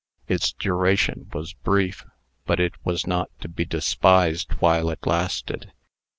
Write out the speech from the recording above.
Its duration was brief; but it was not to be despised while it lasted.